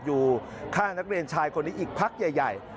อยู่ข้างนักเรียนชายคนนี้อีกพักใหญ่